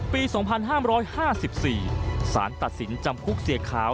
ปี๒๕๕๔สารตัดสินจำคุกเสียขาว